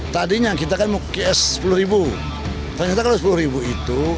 tadinya kita kan mau qs sepuluh ternyata kalau sepuluh itu